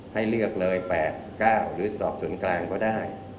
ให้เลือกเลย๘๙หรือศสกก็ได้